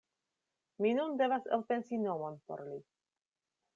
Mi nun devas elpensi nomon por li.